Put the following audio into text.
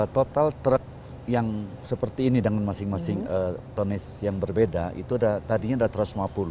total truk yang seperti ini dengan masing masing tonis yang berbeda itu tadinya ada satu ratus lima puluh